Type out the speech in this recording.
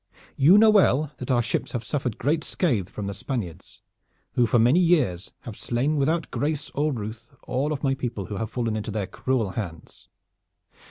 You know well that our ships have suffered great scathe from the Spaniards, who for many years have slain without grace or ruth all of my people who have fallen into their cruel hands.